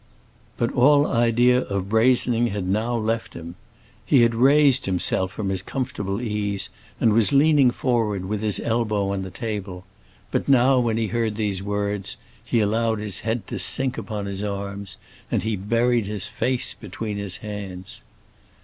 But all idea of brazening had now left him. He had raised himself from his comfortable ease, and was leaning forward with his elbow on the table; but now, when he heard these words, he allowed his head to sink upon his arms, and he buried his face between his hands.